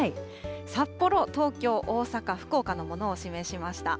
札幌、東京、大阪、福岡のものを示しました。